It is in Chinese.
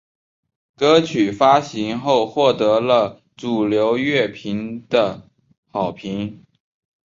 歌曲发行后获得了主流乐评的好评。